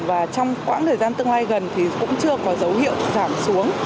và trong quãng thời gian tương lai gần thì cũng chưa có dấu hiệu giảm xuống